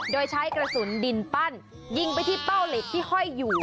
โดยใช้กระสุนดินปั้นยิงไปที่เป้าเหล็กที่ห้อยอยู่